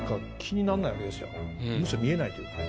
むしろ見えないというか。